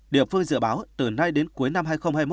địa phương dự báo từ nay đến cuối năm hai nghìn hai mươi một